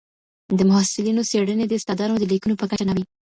د محصلینو څېړني د استادانو د لیکنو په کچه نه وي.